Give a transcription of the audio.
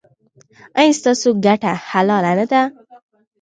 ایا ستاسو ګټه حلاله نه ده؟